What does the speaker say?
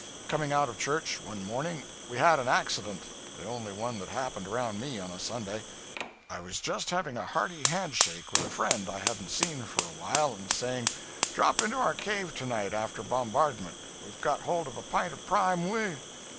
Coming out of church, one morning, we had an accident the only one that happened around me on a Sunday. I was just having a hearty handshake with a friend I hadn't seen for a while, and saying, 'Drop into our cave to night, after bombardment; we've got hold of a pint of prime wh